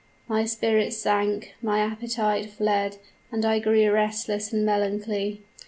My spirits sank, my appetite fled, and I grew restless and melancholy.